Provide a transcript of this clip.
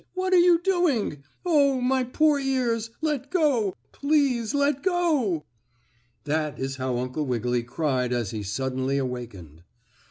What are you doing? Oh, my poor ears! Let go! Please let go!" That is how Uncle Wiggily cried as he suddenly awakened.